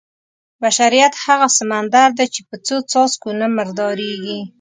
بشریت هغه سمندر دی چې په څو څاڅکو نه مردارېږي.